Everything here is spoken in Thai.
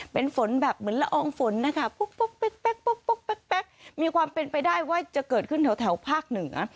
เป็นฝนแบบเหมือนละอองฝนนะคะมีความเป็นไปได้ว่าจะเกิดขึ้นแถวภาคเหนือ